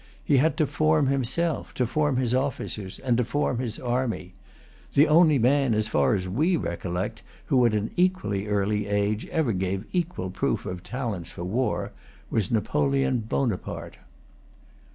He had to form himself, to form his officers, and to form his army. The only man, as far as we recollect, who at an equally early age ever gave equal proof of talents for war, was Napoleon Bonaparte.